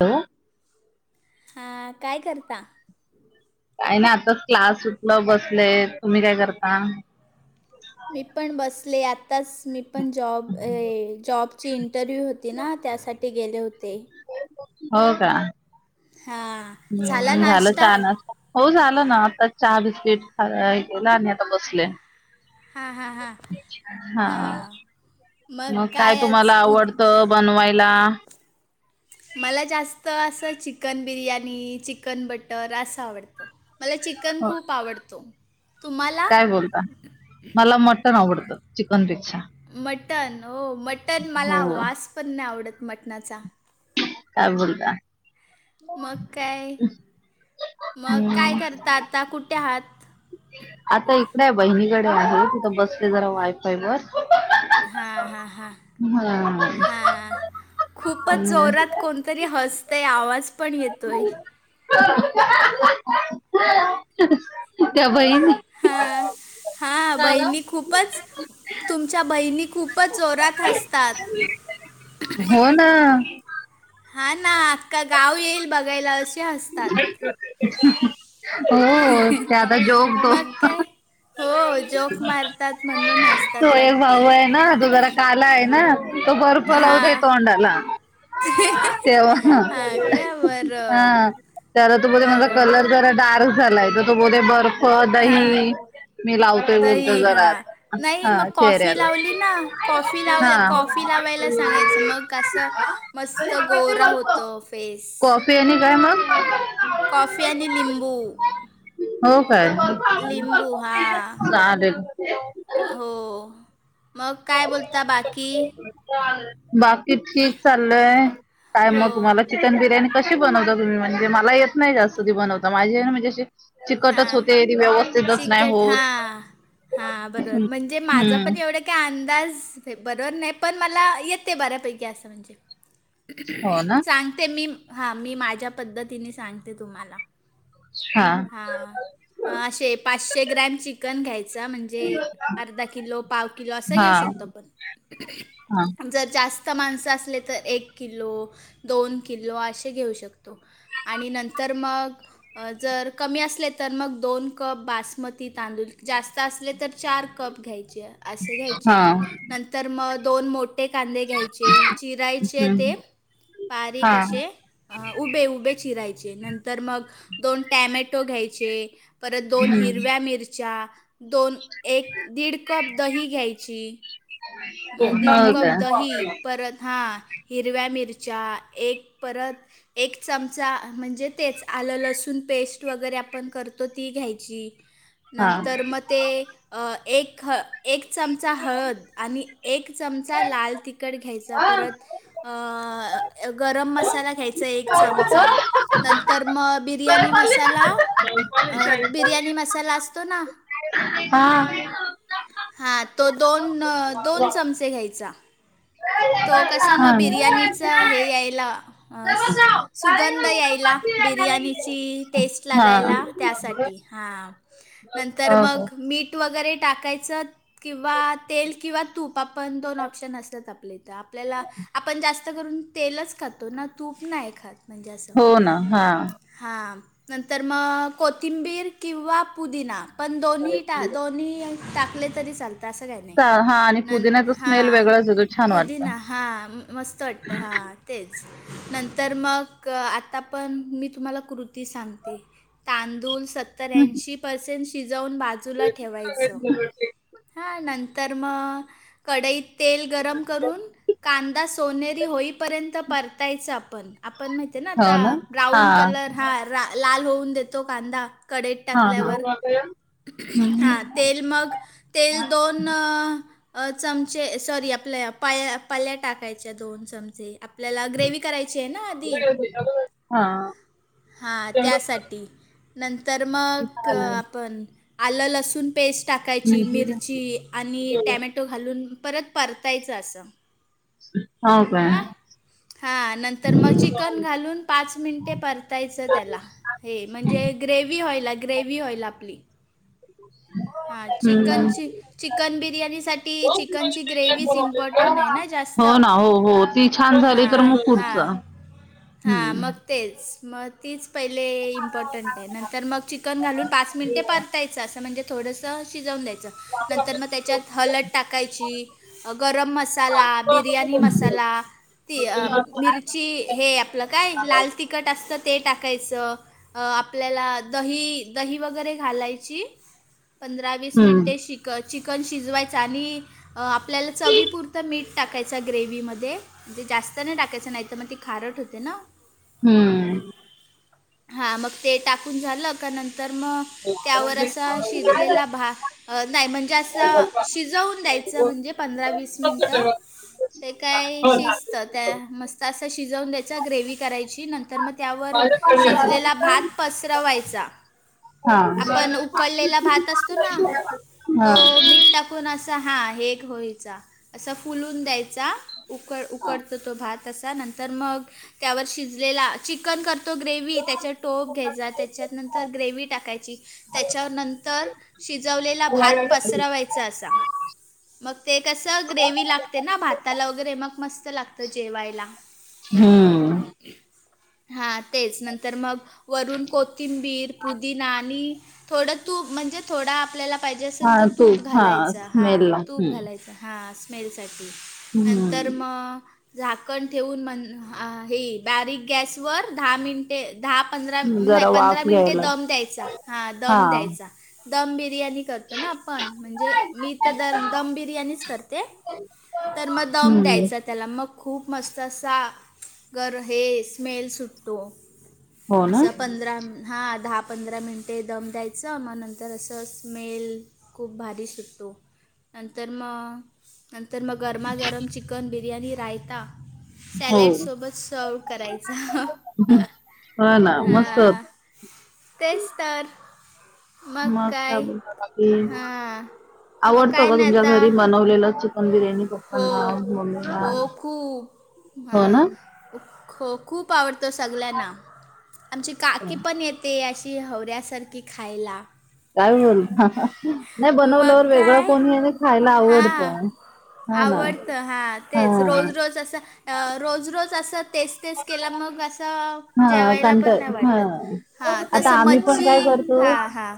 हं. हा काय करता? काही नाही आताच क्लास सुठलं बसले तुम्ही काय करता. मी पण बसले आत्ताच मी पण जॉब जॉबची इंटरव्ह्यू होते. ति ना त्यासाठी गेले होते. हो का् हां झाला झालं नाश्ता चहा नाश्ता? हो झालं ना आता चहा बिस्किट ख गेला आणि आता बसले. हा हा हा हा मग काय तुम्हाला आवडतं बनवायला. मला जास्त असं चिकन बिर्याणी चिकन बटर असं आवडतं. मला चिकन हो, खूप आवडतो. तुम्हाला काय बोलता मला मटण आवडतं चिकन पेक्षा. मटण हो मटण मला हो वास पण नाही आवडत मटणाचा. काय बोलता. मग काय मग काय हम्म करता आता कुठे आहात? आता इकडे आहे बहिणीकडे आहे तिथं बसले जरा वायफाय वर. हां हां हां हा हां खूपच हम्म जोरात- कोणतरी हसतय आवाज पण येतोय. त्या बहिणी. हा हा बहिणी खूपच तुमच्या बहिणी खूपच जोरात- हसतात हो ना. हा ना अखख गाव येईल बघायलास. हो त्या आता जोक तो. मग काय हो जोक मारतात म्हणून तो हसतात एक वाटते. भाऊ आहे ना तो जरा काला आहे ना तो बर्फ लावत आहे हां तोंडाला. तेव्हा हां का बरं हा त्याला तू ब माझा बरं कलर मग जरा डार्क झालाय तर तू बोल बर्फ हां दही. मी लावतोय बोलतो दही हा जरा आता नाही हा मग कॉफी चेहऱ्याला लावली ना कॉफी लाव हा कॉफ- काफी लावायला सांगायचं मग असं मस्त गोरा होत फेस- कॉफी आणि काय मग. कॉफी आणि लिंबू हो काय लिंबू हा. चालेल. हो मग काय बोलता बाकी? बाकी कि ठीक चालय टायम हो. मग तुम्हाला. चिकन बिर्याणी कशी बनवता तुम्ही म्हणजेला येत नाही जास्ती बनवता माझे म्हणजेशी- तिकटच हां. होतेी व्यवस्थितच नाही होत. हा बरोबर हम्म म्हणजे माझं हम्म. पण एवढ्या- काय अंदाज बरोबर नाही पण मला येत ते बऱ्यापैकी असं म्हणजे. हो ना सांगते मी हां मी माझ्या पद्धतीने सांगते तुम्हाला हा हां असे पाचशे ग्रॅम चिकन घ्यायचा म्हणजे अर्धा किलो पाव किलो असा हा घेऊ शकतो पण हा जर जास्त जास्त माणसं असले तर एक किलो दोन किलो असे घेऊ शकतो आणि नंतर मग जर कमी असले तर मग दोन कप बासमती तांदूळ जास्त असले तर चार कप घ्यायचे असे घ्यायचे हा नंतर मग दोन मोठ मोे कांदे घ्यायचे चिरायचे ते हम्म बारीक हा असे अ उभे उभे चिरायचे नंतर मग दोन टॅमॅटो घ्यायचे परत दोन हम्म हिरव्या मिरच्या दोन एक दीड कप दही घ्यायची. हो दीड कप का दही परत हां हिरव्या मिरच्या एक परत- एक चमचा म्हणजे तेच आलं लसूण पेस्ट वगैरे आपण करतो ती घ्यायची. हा नंतर मग ते एक चमचा हळद आणि- एक चमचा लाल तिखट घ्यायचा परत अ गरम मसाला घ्यायचा. एक चमचा नंतर मग बिर्याणी मसाला बिर्याणी मसाला असतो ना हा हा तो दोन दोन चमचे घ्यायचा तो कसा मग हा बिर्याणीचा हे यायला सुगंध यायला बिर्याणीची टेस्ट लागायला त्यासाठी हां नंतर ओके मग मीठ तूट वगैरे टाकायचं किंवा तेल किंवा तूप आपण दोन ऑप्शन असतात आपले आपल्याला आपण जास्त करून तेलच खातो ना तूप नाही खातो पंजास हो ना हा हां नंतर मग कोथिंबीर किंवा पुदिना पण दोन्ही टा दोन्ही टाकले तरी चाल हा आणि क पुदिण्याचा स्मेल वेगळाच होतो छान वाटत पुदीिना हा मस्त हट्टं हां तेच नंतर मग आता पण मी तुम्हाला कृती सांगते तांदूळ सत्त्याऐंशी पर्सेंट शिजवून बाजूला ठेवायचं हां नंतर मग कढाईत तेल गरम कांदा सोरी होईपर्यंत परतायच आपण आपण ते ना हो आता हा ब्राऊन कलर हा लाल होऊन देतो कांदा कडेेत हा टाकल्यावर हा हम्म हा तेल मग तेल दोन चमचे सॉरी आपल्या पाया पल्या टाकायच्या दोन चमचे आपल्याला ग्रेव करायची आहे ना आधी हा हा त्यासाठी नंतर मग आपण आलंल असून पेस्ट टाकायची मिरची आणि टॅमॅटो घालून परत परतायचं अस त हो काय हा नंतर मग चिकन घालून पाच मिनिटे परतायचं त्याला हे म्हणजे ग्रेव होऑईल ग्रेव ऑईल आपली हम हां चिकनची चिकन बिर्याणीसाठी चिकनची ग्रेवज इम्पॉर्टंट नाही ना जास्त हो ना हो हो ती छान झाली तर हां मग हां हां पुढचं् मग तेच मत तीच पहिले इम्पॉर्टंट आहे नंतर मग चिकन घालून पाच मिनिटे परतायचं असं म्हणजे थोडंस शिजवून द्यायचं. नंतर मग त्याच्यात हलद टाकायची गरम मसाला बिरणी मसाला चलाती अ मिर ची हे आपलं काय लाल तिखट असतं ते टाकायचं. अ आपल्याला दही, दही, वगैरे घालायची. पंधरा वीस हम्म मिनिंटे शि क चिकन शिजवायचा आणि अ आपल्याला चवीपुरतं मीठ टाकायच ग्रेव्हीमध्ये. दे म्हणजे जास्त नाही. टाकायचं नाही तर मग ती खारट होते ना, हम्म. हा मग ते टाकून झालं. का नंतर म त्यावर असा शिजलेला भा अ नाही म्हणजे असं शिजवून द्यायचं म्हणजे पंधरा वीस मिनटं. ते काय शिजतं त्या मस्त असं शिजवून द्याय ग्रेव्ही करायची नंतर तर म त्यावर शिजलेला भात पसरवायचा. हा आपण उकडलेला भात असतो ना, हा तो मीठ टाकून असं हा हेट होयचा असं फुलून द्यायचा त्या उकड उकडतो तो भात असा नंतर, मग त्यावर शिजलेला चिकन करत तो ग्रेव्ही त्याच्या टोप घ्यायचा. त्याच्यातनंतर ग्रेव्ही टाकायची. त्याच्या नंतर शिजवलेला भात पसरावाय सा सा मग ते कसं ग्रेव्ही लागते ना, भाताला वगैरे मग मस्त लागत जेवायला. हम्म. हा तेच नंतर मग वरून कोथिंबीर, पुदिना आणि थोडं तूप म्हणजे थोडा आपल्याला पाहिजे हा असेल तर तूप हा घालायचं, हा स्मेल ला तूप हम्म घालायचं, हा स्मेल साठी नंतर तर हम्म मग झाकण ठेवून मण हा हे बारीक गॅसवर दहा मिनट ते दहा पंधरा नाही जरा पंधरा वाफ मिनटे घ्यायला दम द्यायचा. हां हा दम द्यायचा. दम बिर्याणी करतो ना, आपण म्हणजे मी तर दन दम बिर्याणीच करते. तर म दम हम्म द्यायचां. त्याला मग खूप मस्त असा गर हे स्मेल सुटतो. हो ना असं पंधरा हा दहा पंधरा मिनंटे दम द्यायचं मग नंतर असं स्मेल खूप भारी शिजतो नंतर म नंतर मग गरमा, गरम, चिकन बिर्याणी रायता हो सॅलेड सोबत र्सव करायचा हो ना मस्त होत हा. तेच तर. मग बोल हां मग आवडतो. काय का नाही तुमच्या आता घरी बनवलेलं. [unintelligible] दम बिर्याणी [unintelligible] हो मम्मीला हो खूप हा. हो ना ख खूप आवडत सगलयांन आमची काकी पण येते. अस ती हवऱ्यासारखी खायला. काय बोल नाही मग बनवल्यवर वेगळं काय कोणी आहे ना खायला आवडतंय. आवडत हा तेच रोज रोज असं. अ रोज, रोज, असं तेच, तेच, केलं मग असं. हा जेवायला पण कंटाळ नाही हा वाटतत हा आता तसं आम्ही पण मच्छी काय करतो हा हा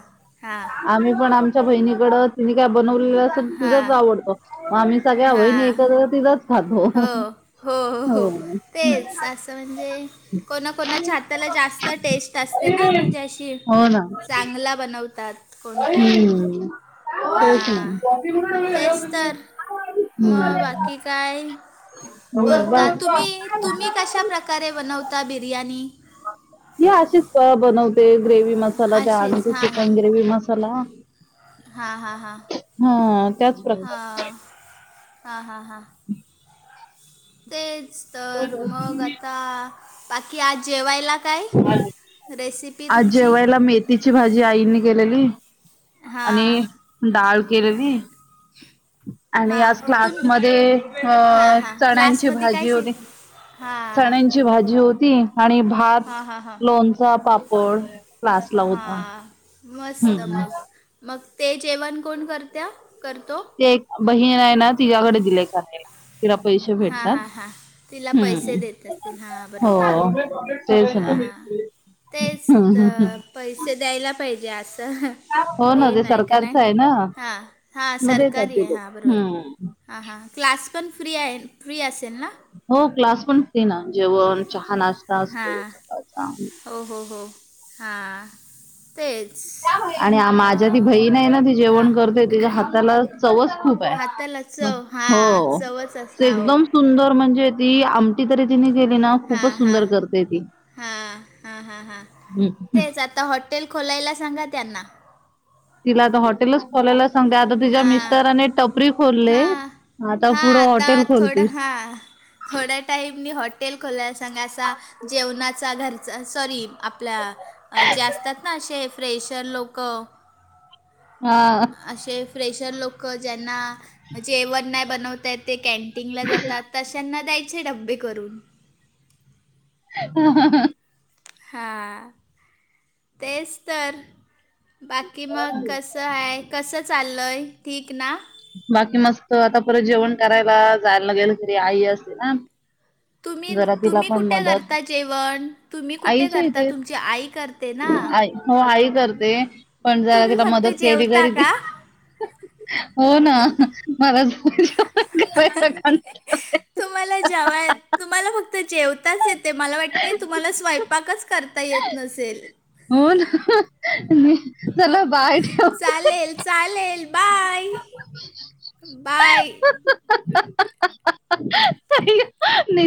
हा. आम्ही पण आमच्या बहिणीकडच तिने काय बनवलेल असं तिथंच हां आवडतो. मग आम्ही सगळ्या वहिणी हां एकत्र तिथं. हो [unintelligible] खातो त म्हणजे कोणाकोणाच्या हाताला जास्त टेस्ट असते ना, म्हणजे अशी चांगला बनवतात. कोण कोण आई हम्म. हां तेच [unintelligible] हम्म. कायल. [inaudible] बोलता तुम्ही तुम्ही कशा प्रकारे बनवता बिर्याणी. या असशीच बनवते ग्रेव मसाला त्या असेच आणखी चिकन ग्रेववी मसाला. हा हा हा हा त्याच हा प्रकारे हा हा हा. तेच तर मग आता बाकी आज जेवायला. काय रेसिपी आज तुमची जेवायला मेथीची भाजी आईंनी केलेली. आणि हां डाळ केरली. ह [inaudible] आणि आज क्लास मध्ये अ चण्याची भाजी होती. हा. चण्यांची भाजी होती. आणि भात हां लोणचा पापड. क्लासला होता हा मस्त हम्म मग मग ते जेवण कोण करतात. करतो. ते एक बहीण आहे. ना तिच्याकडे दिलेय करला तिला पैसे हां भेटतात हां हां तिला पैसे ह् देत असतील हां हो बरोबर च ना. हां तेच हम्म पैसे द्यायला पाहिजे असं. हो ना हे ते नाही का सरकारच नाही आहे ना हां हां मध्ये येतात सरकारी ते आहे लोक हां बरोबर हम्म. हां हां क्लास पण फ्री आहे फ्री असेल ना. हो क्लास पण फ्री ना जेवण चहा नाश्ता असतो हां सकाळचा. हो हो हो हां तेच. आणि माझ्या ती बहीण अं, ना ती हां जेवण करते तिच्या हाताला चवच खूप आहे. हाताला चव हां हो चवच अस हां हो एकदम सुंदर म्हणजे ती आ. तरी तिने गेली ना हां खूपच हां सुंदर करते ती. हां हां हां हां तेच आता हॉटेल खोलायला सांगा त्यांना. तिला आता हॉटेलच खोलायला सांगते आता. तिच्या हां मिस्टरने टपरी खोलले हां आता हां पुढं आता हॉटेल खोलती. थोडं हां थोड्या टाईमनी हॉटेल खोलाला सांगा असं. जेवणाचा घरचा सॉरी आपल्या. अ जास्तात ना असे फ्रेशर लोक. हा. असे फ्रेशर लोकं ज्यांना जे एवण नाही बनवत आहेत. ते कॅनटीन ला जातात तशांना द्यायचे डब्बे करून. हो ह [unintelligible] हां तेच तर. बाकी मग कस आहे कसं चाललय ठीक ना. बाकी मस्त आता परत जेवण करायला जायला गेलं तरी आई असते ना. तुम्ही जरा तिला तुम्ही पण कुठे मदत करता जेवण तुम्ही कुठे आईच्या करता इथे तुमची आई करते ना. आई हो आई करते पण जरा तुम्ही तिला फक्त मदत केली जेवता घरी ती. का हो ना मलाो कय. तुम्हाला जेव तुम्हाला फक्त जेवताच येते मला वाटते तुम्हाला स्वयंपाकच कर आता येत नसेल. हो ना म चला बाय ठेव. चालेल चालेल बाय बाय. [inaudible]